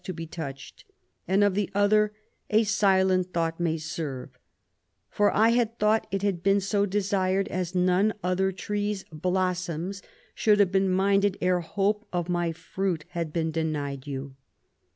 to be touched ; and of the other, a silent thought may serve ; for I had thought it had been so desired as none other tree's blossoms should have been minded ere hope of my fruit had been denied you.